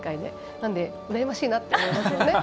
なので、うらやましいなと思いますね。